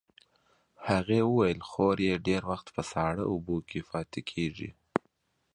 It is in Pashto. هغې وویل خور یې ډېر وخت په ساړه اوبو کې پاتې کېږي.